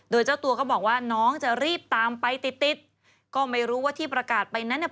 โดยเจ้าตัวก็บอกว่าน้องจะรีบตามไปติดติดก็ไม่รู้ว่าที่ประกาศไปนั้นเนี่ย